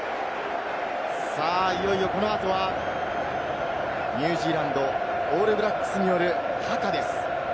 いよいよこのあとはニュージーランド、オールブラックスによるハカです。